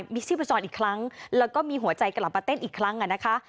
ชีพจรอีกครั้งแล้วก็มีหัวใจกลับมาเต้นอีกครั้งอ่ะนะคะ